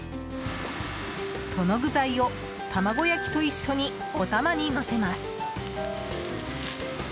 その具材を卵焼きと一緒にお玉にのせます。